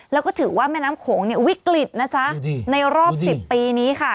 แล้วก็ถือว่าแม่น้ำโขงวิกฤตในรอบ๑๐ปีนี้ค่ะ